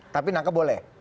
tapi nangkep boleh